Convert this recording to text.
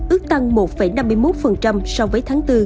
ước tăng một năm mươi một so với tháng bốn